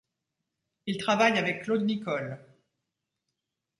Il travaille avec Claude Nicole.